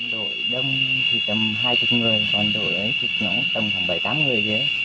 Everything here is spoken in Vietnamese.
đội đông thì tầm hai mươi người còn đội chụp nhỏ tầm bảy tám người